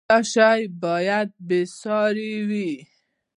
دا شی باید بې ساری وي.